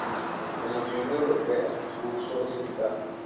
En la Unión europea su uso es limitado.